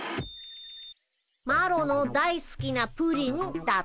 「マロのだいすきなプリン」だって。